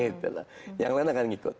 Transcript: jadi itu adalah yang lain akan ikut